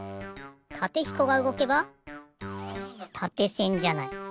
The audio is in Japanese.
タテひこがうごけばたてせんじゃない。